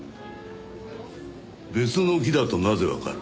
別の木だとなぜわかる？